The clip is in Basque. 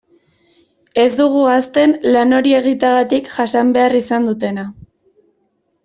Ez dugu ahazten lan hori egiteagatik jasan behar izan dutena.